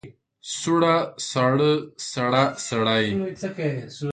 سوړ، ساړه، سړه، سړې.